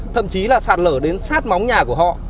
thậm chí là sạt lở đến sát móng nhà của họ